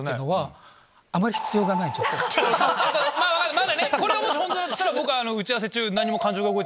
まぁこれがもし本当だとしたら僕は打ち合わせ中。